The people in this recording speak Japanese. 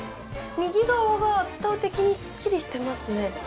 右側が圧倒的にスッキリしてますね。